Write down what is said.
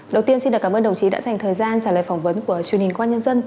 đầu tiên xin cảm ơn đồng chí đã dành thời gian trả lời phỏng vấn của truyền hình công an nhân dân